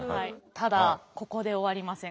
ただここで終わりません。